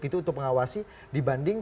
gitu untuk mengawasi dibanding